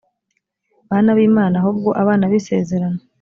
bana b imana ahubwo abana b isezerano